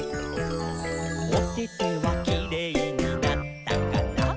「おててはキレイになったかな？」